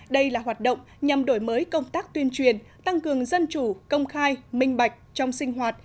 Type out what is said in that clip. đây là hoạt động nhằm đổi mới công tác tuyên truyền tăng cường dân chủ công khai minh bạch trong sinh hoạt